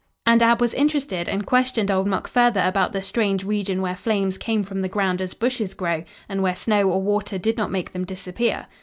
And Ab was interested and questioned Old Mok further about the strange region where flames came from the ground as bushes grow, and where snow or water did not make them disappear.